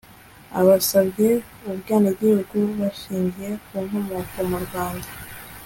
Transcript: abasabye ubwenegihugu bashingiye ku nkomoko mu rwanda